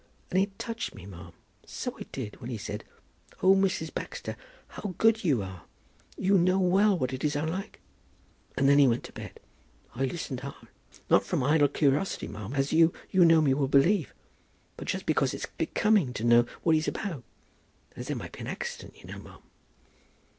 And it touched me, ma'am, so it did, when he said, 'Oh, Mrs. Baxter, how good you are; you know well what it is I like.' And then he went to bed. I listened hard, not from idle cur'osity, ma'am, as you, who know me, will believe, but just because it's becoming to know what he's about, as there might be an accident, you know, ma'am."